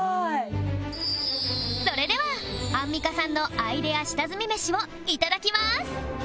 それではアンミカさんのアイデア下積みメシを頂きます！